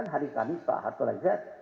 hari kamis pak harto lagi sehat